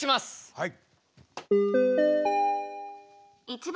はい。